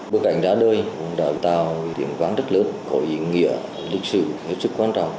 bức ảnh ra đời đã tạo điểm ván rất lớn có ý nghĩa lịch sử rất quan trọng